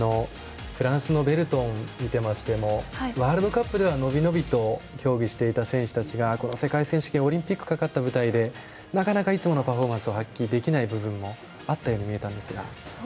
フランスのベルトンを見ていましてもワールドカップでは伸び伸びと競技していた選手たちがこの世界選手権オリンピックかかった舞台でなかなかいつものパフォーマンス発揮できない部分もあったように見えたんですが。